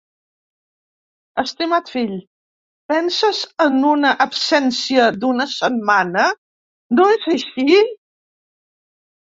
Estimat fill, penses en una absència d'una setmana, no és així?